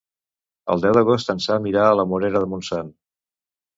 El deu d'agost en Sam irà a la Morera de Montsant.